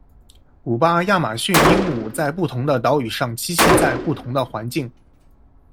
古巴亚马逊鹦鹉在不同的岛屿上栖息在不同的环境。